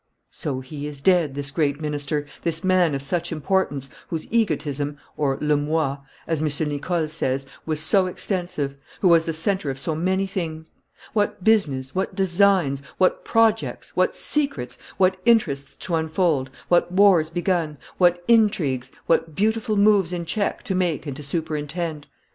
"So he is dead, this great minister, this man of such importance, whose egotism (le moi), as M. Nicole says, was so extensive, who was the centre of so many things! What business, what designs, what projects, what secrets, what interests to unfold, what wars begun, what intrigues, what beautiful moves in check to make and to superintend!